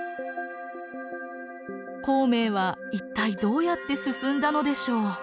孔明は一体どうやって進んだのでしょう？